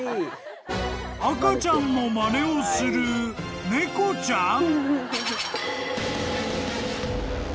［赤ちゃんのまねをする猫ちゃん！？］